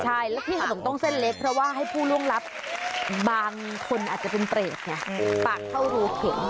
ใช่แล้วที่ขนมต้องเส้นเล็กเพราะว่าให้ผู้ล่วงลับบางคนอาจจะเป็นเปรตไงปากเข้ารูเข็น